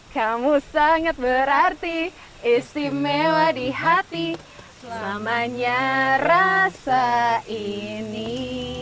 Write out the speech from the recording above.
kamu sangat berarti istimewa di hati selamanya rasa ini